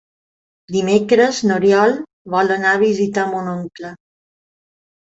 Dimecres n'Oriol vol anar a visitar mon oncle.